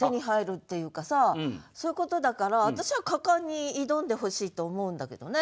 そういうことだから私は果敢に挑んでほしいと思うんだけどね。